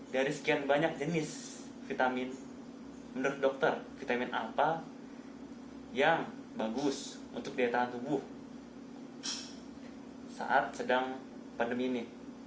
dari sekian banyak jenis vitamin menurut dokter vitamin apa yang bagus untuk daya tahan tubuh saat sedang pandemi ini